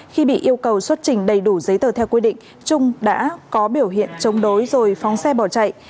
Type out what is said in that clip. khi bị yêu cầu xuất trình đầy đủ giấy tờ theo quy định trung đã có biểu hiện chống đối rồi phóng xe bỏ chạy